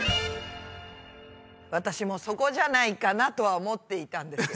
私もそこじゃないかなとは思っていたんです。